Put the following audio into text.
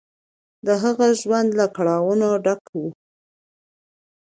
د هغه ژوند له کړاوونو ډک و.